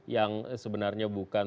yang sebenarnya bukan